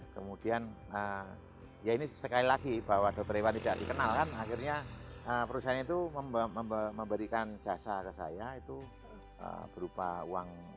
kemudian ya ini sekali lagi bahwa dokter iwan tidak dikenal kan akhirnya perusahaan itu memberikan jasa ke saya itu berupa uang